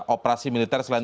operasi militer selain